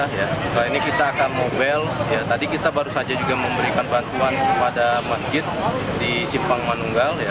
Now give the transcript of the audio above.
setelah ini kita akan mobile tadi kita baru saja juga memberikan bantuan kepada masjid di simpang manunggal